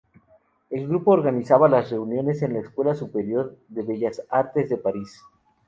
El grupo organizaba las reuniones en la Escuela superior de bellas artes de París.